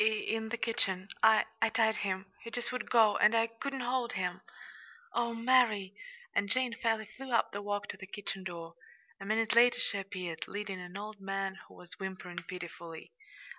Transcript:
"In the kitchen. I I tied him. He just would go, and I couldn't hold him." "Oh, Mary!" And Jane fairly flew up the walk to the kitchen door. A minute later she appeared, leading an old man, who was whimpering pitifully.